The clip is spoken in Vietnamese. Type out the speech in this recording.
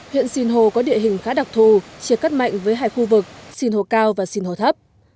huyện sinh hồ có địa hình khá đặc thù chia cắt mạnh với hai khu vực sinh hồ cao và sinh hồ thấp